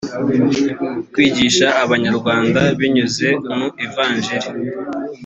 kwigisha abanyarwanda binyuze mu ivanjiri